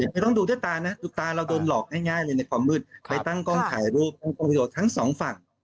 ไม่ต้องดูด้วยตานะดูตาเราโดนหลอกง่ายเลยในความมืดไปตั้งกล้องถ่ายรูปประโยชน์ทั้งสองฝั่ง